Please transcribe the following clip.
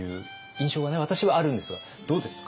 私はあるんですがどうですか？